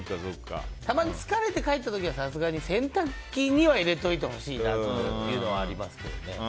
たまに疲れて帰った時はさすがに洗濯機には入れておいてほしいなっていうのはありますけどね。